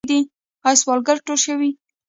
آیا سوالګر ټول شوي دي؟